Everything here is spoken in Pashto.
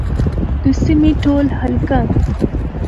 د سيمې ټول هلکان